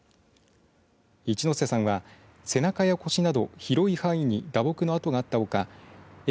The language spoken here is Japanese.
一瀬さんは背中や腰など広い範囲に打撲の痕があったほか